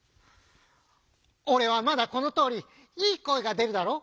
「おれはまだこのとおりいいこえがでるだろう？